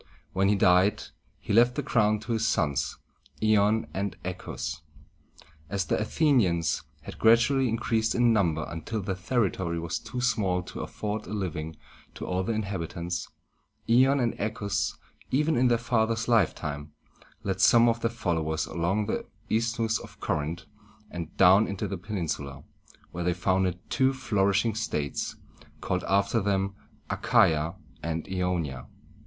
When he died, he left the crown to his sons, I´on and A chæ´us. As the A the´ni ans had gradually increased in number until their territory was too small to afford a living to all the inhabitants, Ion and Achæus, even in their father's lifetime, led some of their followers along the Isthmus of Corinth, and down into the peninsula, where they founded two flourishing states, called, after them, A cha´ia and I o´ni a.